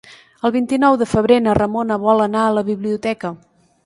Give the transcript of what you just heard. El vint-i-nou de febrer na Ramona vol anar a la biblioteca.